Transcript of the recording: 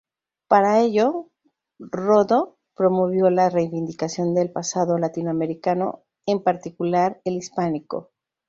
Para ello, Rodó promovió la reivindicación del pasado latinoamericano, en particular el hispánico.